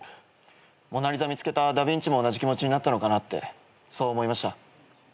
モナ・リザ見つけたダビンチも同じ気持ちになったのかなってそう思いました。